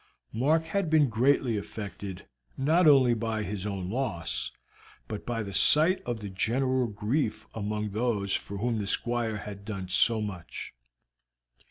Mark had been greatly affected, not only by his own loss, but by the sight of the general grief among those for whom the Squire had done so much.